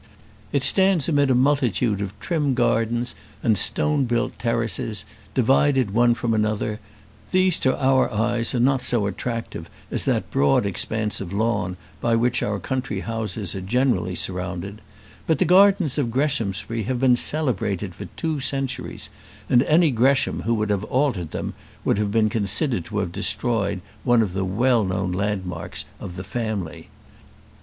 It stands amid a multitude of trim gardens and stone built terraces, divided one from another: these to our eyes are not so attractive as that broad expanse of lawn by which our country houses are generally surrounded; but the gardens of Greshamsbury have been celebrated for two centuries, and any Gresham who would have altered them would have been considered to have destroyed one of the well known landmarks of the family.